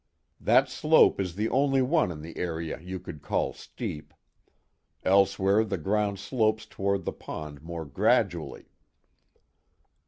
"That slope is the only one in the area you could call steep. Elsewhere the ground slopes toward the pond more gradually."